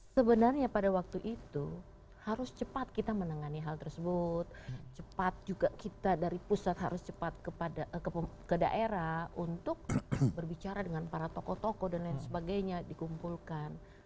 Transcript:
sebenarnya pada waktu itu harus cepat kita menangani hal tersebut cepat juga kita dari pusat harus cepat ke daerah untuk berbicara dengan para tokoh tokoh dan lain sebagainya dikumpulkan